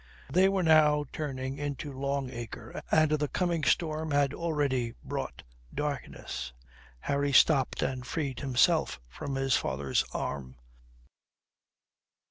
They were now turning into Long Acre and the coming storm had already brought darkness. Harry stopped and freed himself from his father's arm.